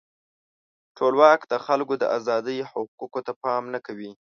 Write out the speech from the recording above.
ټولواک د خلکو د آزادۍ او حقوقو ته پام نه کوي.